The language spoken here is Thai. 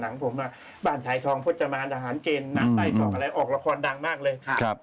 หลังผมบ้านฉายทองพจมานอาหารเกณฑ์น้ำใต้ช่องอะไรออกละครดังมากเลย